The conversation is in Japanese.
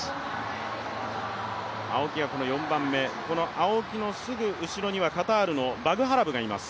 青木のすぐ後ろには、カタールのバグハラブがいます。